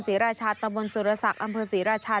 ศรีราชาตะวนสุรสักอำเภอศรีราชา